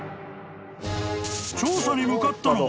［調査に向かったのは］